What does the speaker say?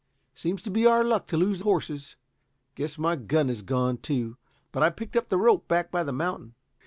Seems to be our luck to lose horses. Guess my gun has gone, too, but I picked up the rope back by the mountain."